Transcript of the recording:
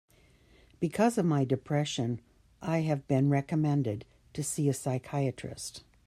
Because of my depression, I have been recommended to see a psychiatrist.